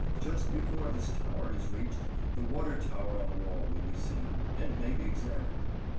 Just before this tower is reached the Water Tower on the wall will be seen, and may be examined.